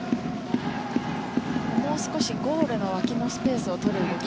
もう少しゴールの脇のスペースを取る動き